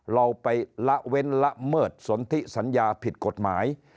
เราไปละเว้นละเมิดสนทิสัญญาผิดกฎหมาย